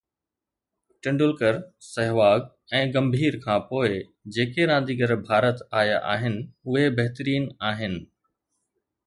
ٽنڊولڪر، سهواگ ۽ گمڀير کان پوءِ جيڪي رانديگر ڀارت آيا آهن اهي بهترين آهن